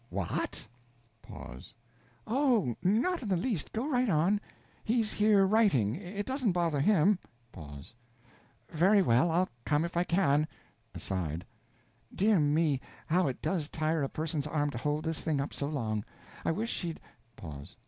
What? Pause. Oh, not in the least go right on. He's here writing it doesn't bother him. Pause. Very well, I'll come if I canI'll come if I can. (Aside.) Dear me, how it does tire a person's arm to hold this thing up so long! I wish she'd Pause.